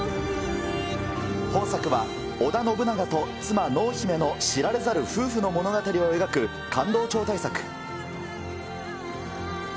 本作は織田信長と妻、濃姫の知られざる夫婦の物語を描く感動超大作。